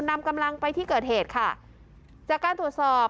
นำกำลังไปที่เกิดเหตุค่ะจากการตรวจสอบ